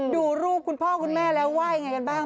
ดูรูปคุณพ่อคุณแม่แล้วว่ายังไงกันบ้าง